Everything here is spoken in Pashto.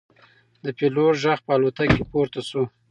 د پیلوټ غږ په الوتکه کې پورته شو.